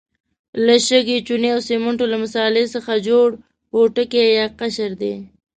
له شګې، چونې او سمنټو له مسالې څخه جوړ پوټکی یا قشر دی.